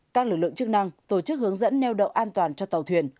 các lực lượng chức năng tổ chức hướng dẫn neo đậu an toàn cho tàu thuyền